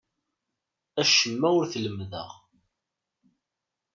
Acemma ur t-lemmdeɣ.